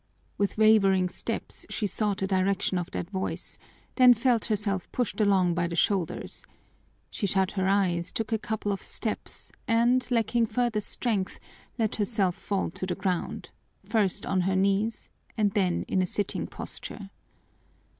With wavering steps she sought the direction of that voice, then felt herself pushed along by the shoulders; she shut her eyes, took a couple of steps, and lacking further strength, let herself fall to the ground, first on her knees and then in a sitting posture.